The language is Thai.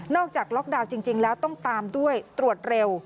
จากล็อกดาวน์จริงแล้วต้องตามด้วยตรวจเร็ว